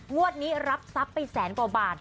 งวดนี้รับทรัพย์ไปแสนกว่าบาท